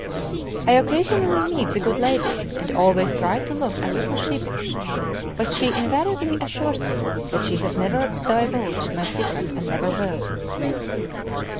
I occasionally meet the good lady, and always try to look a little sheepish, but she invariably assures me that she has never divulged my secret and never will!